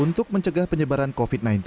untuk mencegah penyebaran covid sembilan belas